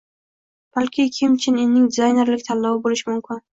Bu Kim Chen Inning dizaynerlik tanlovi bo‘lishi mumkin